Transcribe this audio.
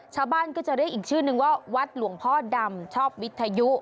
ชาวบ้านก็จะเรียกอีกชื่อนึงว่าวัดหลวงพ่อดำชอบวิทยุ